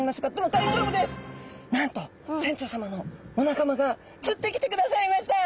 なんと船長さまのお仲間が釣ってきてくださいました